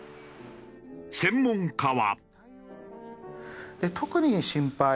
専門家は。